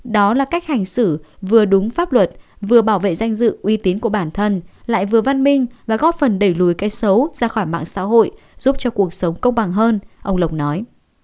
đó là cách hành xử vừa đúng pháp luật vừa bảo vệ danh dự uy tín của bản thân lại vừa văn minh và góp phần đẩy lùi cái xấu ra khỏi mạng xã hội giúp cho cuộc sống công bằng hơn ông lộc nói